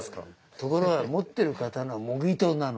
ところが持ってる刀模擬刀なの。